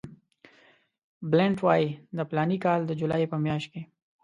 بلنټ وایي د فلاني کال د جولای په میاشت کې.